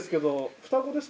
双子です。